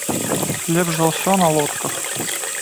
Лепш за ўсё на лодках.